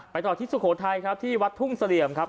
ต่อที่สุโขทัยครับที่วัดทุ่งเสลี่ยมครับ